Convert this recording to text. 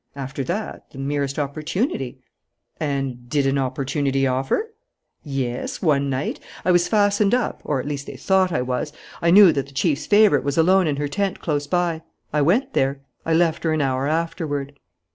After that, the merest opportunity " "And did an opportunity offer?" "Yes, one night. I was fastened up, or at least they thought I was. I knew that the chief's favourite was alone in her tent close by. I went there. I left her an hour afterward."